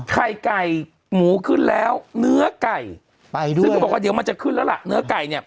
ไข่ไก่หมูขึ้นแล้วเนื้อไก่ไปด้วยซึ่งเขาบอกว่าเดี๋ยวมันจะขึ้นแล้วล่ะเนื้อไก่เนี่ย